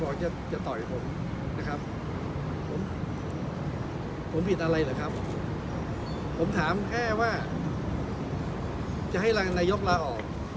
ผมจะต่อยผมนะครับผมผมผิดอะไรหรือครับผมถามแค่ว่าจะให้รองนายกลาออก